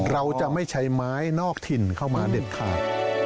เราจะไม่ใช้ไม้นอกถิ่นเข้ามาเด็ดขาด